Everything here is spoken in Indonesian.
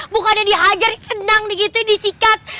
bukannya dihajar senang gitu disikat